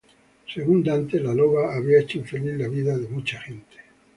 Según Dante la loba había hecho infeliz la vida de mucha gente.